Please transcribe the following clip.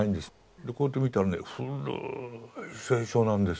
でこうやって見たらね古い聖書なんです。